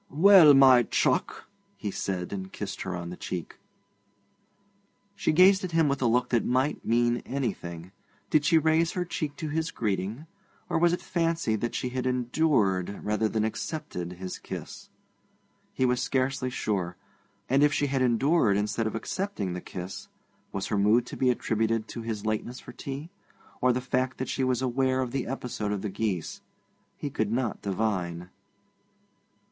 'Well, my chuck!' he said, and kissed her on the cheek. She gazed at him with a look that might mean anything. Did she raise her cheek to his greeting, or was it fancy that she had endured, rather than accepted, his kiss? He was scarcely sure. And if she had endured instead of accepting the kiss, was her mood to be attributed to his lateness for tea, or to the fact that she was aware of the episode of the geese? He could not divine.